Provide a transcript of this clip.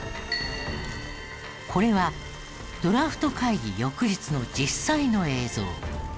これはドラフト会議翌日の実際の映像。